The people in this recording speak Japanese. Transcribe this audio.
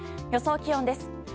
予想気温です。